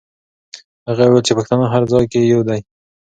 هغې وویل چې پښتانه هر ځای کې یو دي.